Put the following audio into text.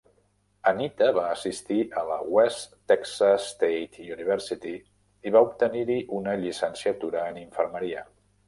Anita va assistir a la West Texas State University i va obtenir-hi una llicenciatura en infermeria.